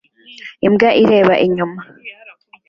Imbwa ireba inyuma